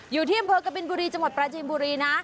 อยู่ที่อำเภอกบินบุรีจังหวัดปราจีนบุรีนะ